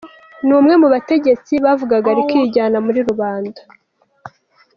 Ni umwe mu bategetsi bavugaga rikijyana muri rubanda.